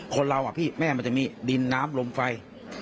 คนเราอะพี่แม่มันจะมีดินน้ำลมไฟ